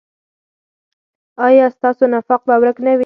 ایا ستاسو نفاق به ورک نه وي؟